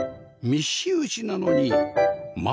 密集地なのに窓